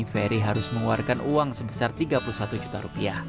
ferry harus mengeluarkan uang sebesar tiga puluh satu juta rupiah